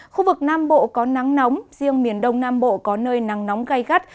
khu vực nam bộ có nắng nóng riêng miền đông nam bộ có nơi nắng nóng gai gắt